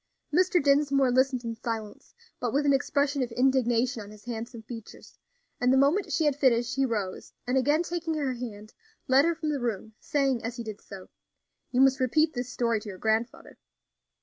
Mr. Dinsmore listened in silence, but with an expression of indignation on his handsome features; and the moment she had finished he rose, and again taking her hand, led her from the room, saying, as he did so: "You must repeat this story to your grandfather."